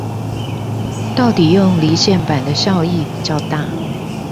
到底用離線版的效益比較大